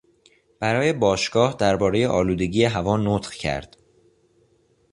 برای باشگاه دربارهی آلودگی هوا نطق کرد.